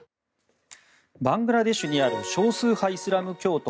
バングラデシュにある少数派イスラム教徒